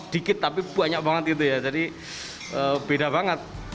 dikit tapi banyak banget gitu ya jadi beda banget